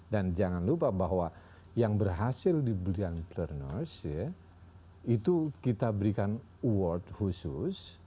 dan jangan lupa bahwa yang berhasil di brilliantpreneurs ya itu kita berikan award khusus